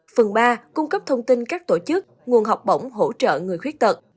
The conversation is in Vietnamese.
phần ba cung cấp thông tin các tổ chức nguồn học bổng hỗ trợ người khuyết tật